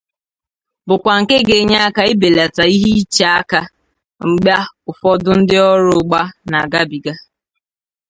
bụkwa nke ga-enye aka ibelata ihe iche aka mgba ụfọdụ ndị ọrụ ugba na-agabiga.